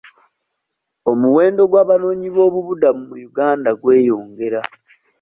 Omuwendo gw'abanoonyi b'obubuddamu mu Uganda gweyongera.